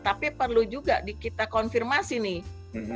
tapi perlu juga kita konfirmasi nih